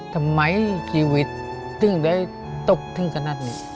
ทำไมชีวิตถึงได้ตกถึงขนาดนี้